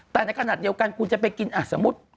แต่ในขณะเดียวกันคุณจะไปกินสมมุติ